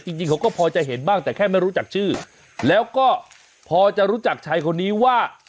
จริงจริงเขาก็พอจะเห็นบ้างแต่แค่ไม่รู้จักชื่อแล้วก็พอจะรู้จักชายคนนี้ว่า